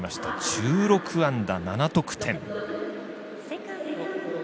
１６安打、７得点。